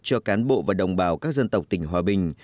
cho cán bộ và đồng bào các dân tộc tỉnh hòa bình